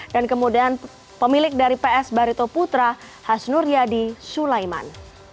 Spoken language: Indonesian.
dan kemudian pemilik dari ps barito putra hasnuryadi sulaiman